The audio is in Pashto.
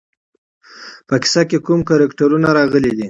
په کیسه کې کوم کرکټرونه راغلي دي.